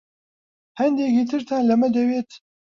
هەندێکی ترتان لەمە دەوێت؟